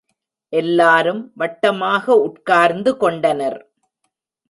எல்லாரும் வட்டமாக உட்கார்ந்து கொண்டனர்.